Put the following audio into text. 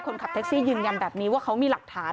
คนขับแท็กซี่ยืนยันแบบนี้ว่าเขามีหลักฐาน